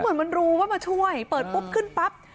เหมือนมันรู้ว่ามาช่วยเปิดปุ๊บขึ้นปั๊บ